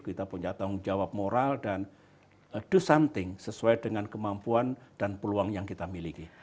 kita punya tanggung jawab moral dan do something sesuai dengan kemampuan dan peluang yang kita miliki